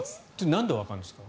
なんでわかるんですか？